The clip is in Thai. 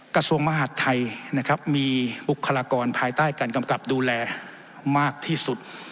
กระทรวงมหาดไทยนะครับมีบุคลากรภายใต้การกำกับดูแลมากที่สุด